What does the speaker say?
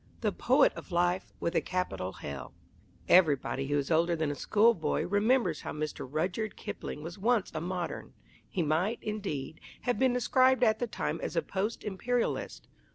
THE POET OF LIFE WITH A CAPITAL HELL Everybody who is older than a schoolboy remembers how Mr. Rudyard Kipling was once a modern. He might, indeed, have been described at the time as a Post Imperialist.